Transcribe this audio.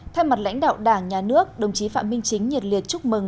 thay mặt lãnh đạo đảng nhà nước đồng chí phạm minh chính nhiệt liệt chúc mừng